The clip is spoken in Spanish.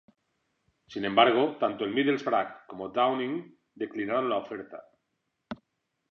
Sin embargo, tanto el Middlesbrough como Downing declinaron la oferta.